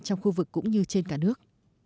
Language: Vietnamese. trong khu vực cũng như trên cả nước